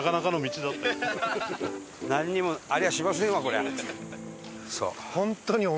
なんにもありゃしませんわこりゃ。